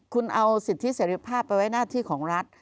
คุณเอาสิทธิเสร็จภาพไปไว้หน้าที่ของรัฐ